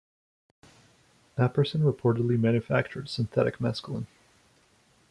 Apperson reportedly manufactured synthetic mescaline.